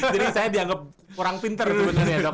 jadi saya dianggap orang pinter sebenarnya dok